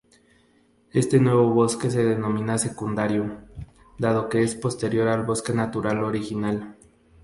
Este nuevo bosque se denomina "secundario", dado que es posterior al bosque natural original.